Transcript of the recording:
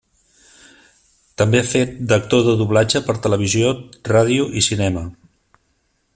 També ha fet d'actor de doblatge per televisió, ràdio i cinema.